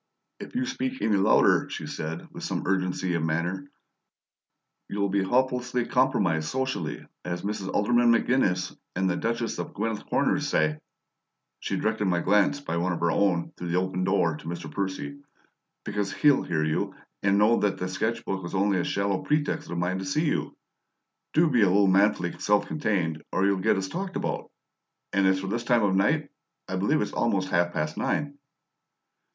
"If you speak any louder," she said, with some urgency of manner, "you'll be 'hopelessly compromised socially,' as Mrs. Alderman McGinnis and the Duchess of Gwythyl Corners say" she directed my glance, by one of her own, through the open door to Mr. Percy "because HE'LL hear you and know that the sketch book was only a shallow pretext of mine to see you. Do be a little manfully self contained, or you'll get us talked about! And as for 'this time of night,' I believe it's almost half past nine."